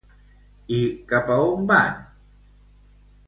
I cap a on van?